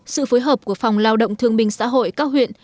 sự phối hợp của phòng lao động thương minh xã hội các huyện